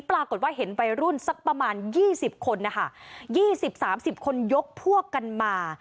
ปรากฏว่าเห็นวัยรุ่นสักประมาณ๒๐คนนะคะ๒๐๓๐คนยกพวกกันมา